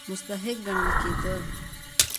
مستحق ګڼل کېدی.